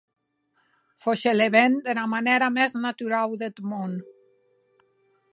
Fauchelevent dera manèra mès naturau deth mon.